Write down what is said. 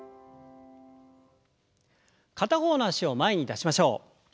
片方の脚を前に出しましょう。